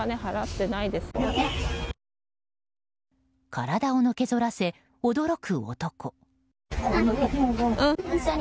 体をのけ反らせ驚く男。